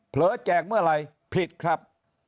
เผลอแจกเมื่อไหร่ผิดครับ